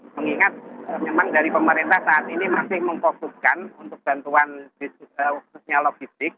mengingat memang dari pemerintah saat ini masih memfokuskan untuk bantuan khususnya logistik